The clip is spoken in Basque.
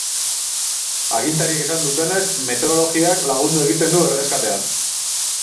Agintariek esan dutenez, meteorologiak lagundu egiten du erreskatean.